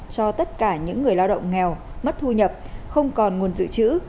cho tất cả những người lao động nghèo mất thu nhập không còn nguồn dự trữ